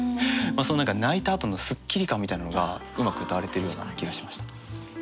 その何か泣いたあとのすっきり感みたいなのがうまくうたわれているような気がしました。